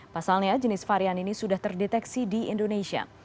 pasalnya jenis varian ini sudah terdeteksi di indonesia